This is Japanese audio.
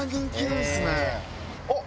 あっ！